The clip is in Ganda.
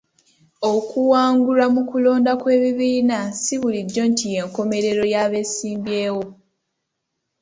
Okuwangulwa mu kulonda kw'ebibiina si bulijjo nti y'enkomerero y'abesimbyewo.